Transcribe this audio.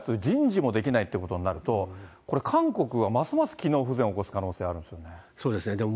人事もできないっていうことになると、これ韓国はますます機能不全起こす可能性あるんですよね。